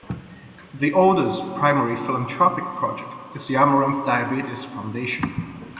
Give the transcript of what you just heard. The order's primary philanthropic project is the Amaranth Diabetes Foundation.